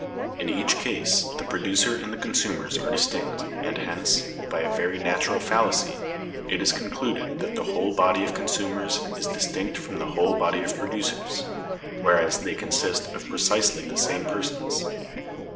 In each case the producer and the consumers are distinct, and hence, by a very natural fallacy, it is concluded that the whole body of consumers is distinct from the whole body of producers, whereas they consist of precisely the same persons."